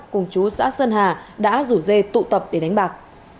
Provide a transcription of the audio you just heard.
cùng chú xã sơn hà đã rủ dê tụ tập để đánh bạc